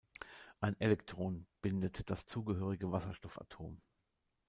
Ein Elektron bindet das zugehörige Wasserstoffatom.